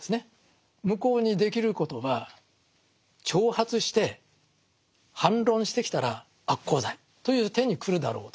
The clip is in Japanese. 向こうにできることは挑発して反論してきたら悪口罪という手にくるだろうと。